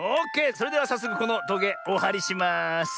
それではさっそくこのトゲおはりします。